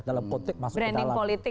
branding politik ya